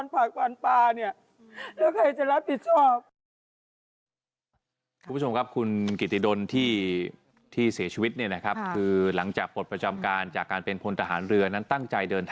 ฟันผักฟันปลา